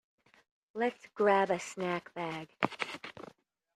Let’s grab a snack bag.